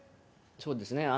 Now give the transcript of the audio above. そうですね。